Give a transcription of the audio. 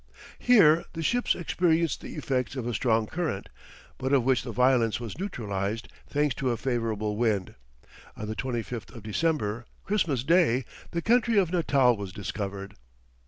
Here the ships experienced the effects of a strong current, but of which the violence was neutralized thanks to a favourable wind. On the 25th of December, Christmas Day, the country of Natal was discovered.